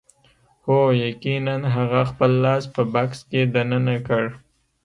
هو یقیناً هغه خپل لاس په بکس کې دننه کړ